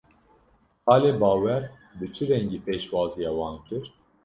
Xalê Bawer bi çi rengî pêşwaziya wan kir?